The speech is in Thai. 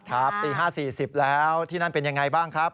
ครับตี๕๔๐แล้วที่นั่นเป็นอย่างไรบ้างครับ